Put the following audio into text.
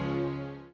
produk useful kok kamu